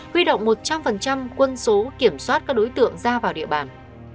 huy động một trăm linh quân số kiểm soát các đối tượng ra vào địa bàn